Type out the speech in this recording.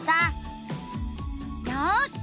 よし！